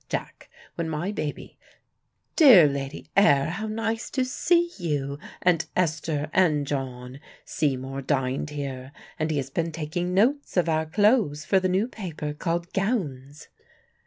Jack, when my baby Dear Lady Ayr, how nice to see you, and Esther and John. Seymour dined here, and he has been taking notes of our clothes for the new paper called Gowns!"